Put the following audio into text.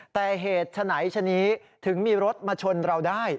แต่เหตุฉะไหนชะนี้ถึงมีรถมาชนเราได้